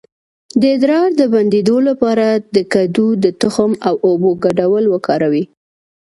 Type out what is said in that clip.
د ادرار د بندیدو لپاره د کدو د تخم او اوبو ګډول وکاروئ